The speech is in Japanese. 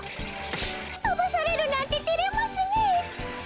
とばされるなんててれますねえ。